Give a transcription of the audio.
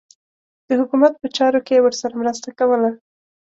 د حکومت په چارو کې یې ورسره مرسته کوله.